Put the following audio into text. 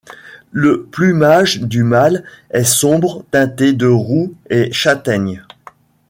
Le plumage du mâle est sombre, teinté de roux et châtaigne.